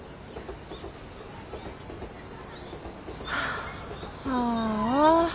はあああ。